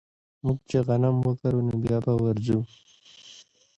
موږ چې غنم وکرو نو بيا به ورځو